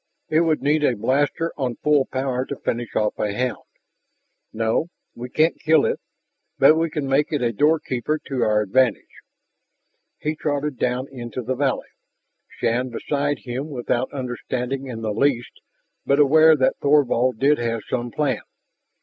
"It would need a blaster on full power to finish off a hound. No, we can't kill it. But we can make it a doorkeeper to our advantage." He trotted down into the valley, Shann beside him without understanding in the least, but aware that Thorvald did have some plan.